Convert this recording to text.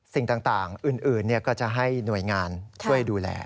สิ่งต่างอื่นก็จะให้หน่วยงานช่วยดูแล